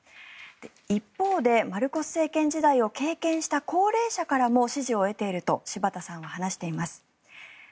一方でマルコス政権時代を経験した高齢者からも支持を得ていると柴田さんは話しています。